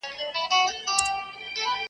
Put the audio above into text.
خو د ننګ خلک دي جنګ ته لمسولي .